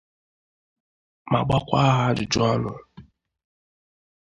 ma gbakwa ha ajụjụọnụ